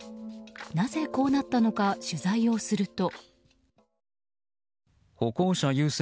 なぜ、こうなったのか取材をすると。